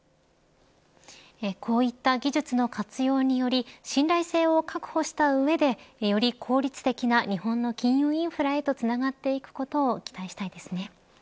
こういった技術の活用により信頼性を確保した上でより効率的な日本の金融インフラへとつながっていくことを期待したいですね。